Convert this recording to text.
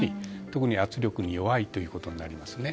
特に圧力に弱いということになりますね。